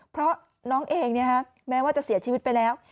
เพราะน้องเองแม้ว่าจะเสียชีวิตไปแล้ว